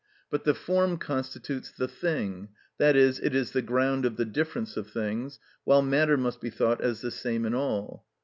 But the form constitutes the thing, i.e., it is the ground of the difference of things; while matter must be thought as the same in all.